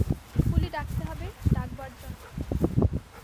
কুলি ডাকতে হবে ডাকবার জন্যে।